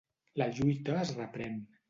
La lluita es reprèn.